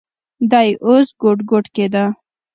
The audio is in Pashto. دى اوس ګوډ ګوډ کېده.